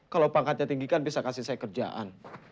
kalau pangkatnya tinggihan bisa kasih saya kerjaan